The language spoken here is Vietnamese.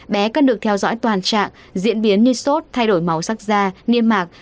bé cần được theo dõi toàn trạng diễn biến như sốt thay đổi màu sắc da niêm mạc